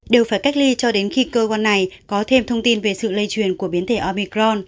đều phải cách ly cho đến khi cơ quan này có thêm thông tin về sự lây truyền của biến thể obicron